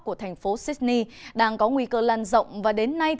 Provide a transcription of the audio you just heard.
của thành phố sydney đang có nguy cơ lan rộng và đến nay